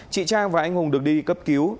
chị trang và anh hùng được đi cấp cứu